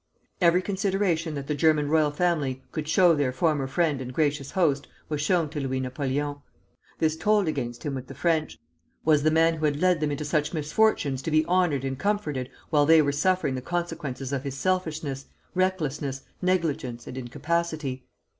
Every consideration that the German royal family could show their former friend and gracious host was shown to Louis Napoleon. This told against him with the French. Was the man who had led them into such misfortunes to be honored and comforted while they were suffering the consequences of his selfishness, recklessness, negligence, and incapacity?